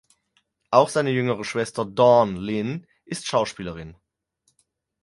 Auch seine jüngere Schwester Dawn Lyn ist Schauspielerin.